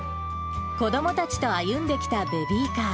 子どもたちと歩んできたベビーカー。